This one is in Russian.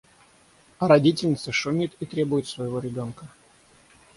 А родительница шумит и требует своего ребёнка.